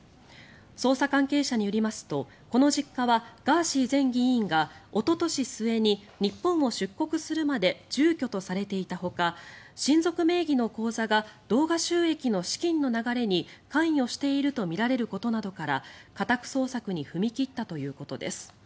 捜査関係者によりますとこの実家は、ガーシー前議員がおととし末に日本を出国するまで住居とされていたほか親族名義の口座が動画収益の資金の流れに関与しているとみられることなどから家宅捜索に踏み切ったということです。